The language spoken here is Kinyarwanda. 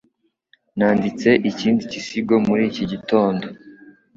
Nanditse ikindi gisigo muri iki gitondo